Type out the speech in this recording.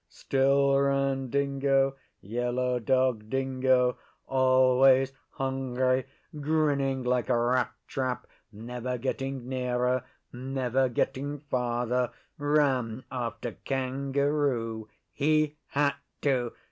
Still ran Dingo Yellow Dog Dingo always hungry, grinning like a rat trap, never getting nearer, never getting farther, ran after Kangaroo. He had to!